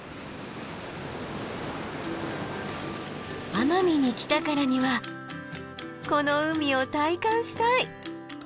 奄美に来たからにはこの海を体感したい！